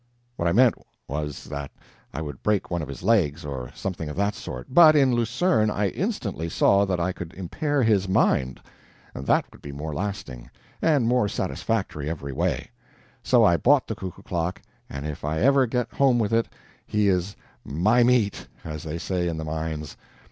What I meant, was, that I would break one of his legs, or something of that sort; but in Lucerne I instantly saw that I could impair his mind. That would be more lasting, and more satisfactory every way. So I bought the cuckoo clock; and if I ever get home with it, he is "my meat," as they say in the mines.